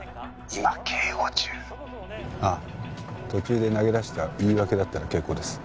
「今警護中」あっ途中で投げ出した言い訳だったら結構です。